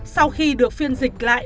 sau khi được phiên dịch lại